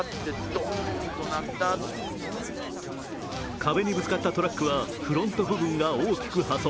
壁にぶつかったトラックはフロント部分が大きく破損。